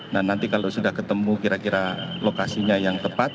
nah nanti kalau sudah ketemu kira kira lokasinya yang tepat